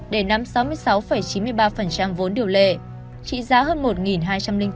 để nắm sáu mươi sáu chín mươi ba vốn điều lệ trị giá hơn một hai trăm linh bốn tỷ đồng